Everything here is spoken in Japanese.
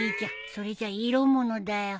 それじゃ色物だよ。